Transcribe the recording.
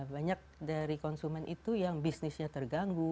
banyak dari konsumen itu yang bisnisnya terganggu